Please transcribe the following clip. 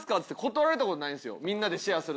みんなでシェアする時に。